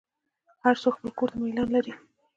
هر څوک خپل کور ته میلان لري.